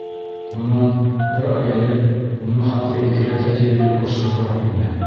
Бынан бер ай элек уның хаҡы икеләтә тиерлек осһоҙораҡ ине.